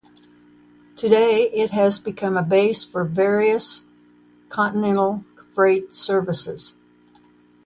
Today it has become a base for various continental freight services.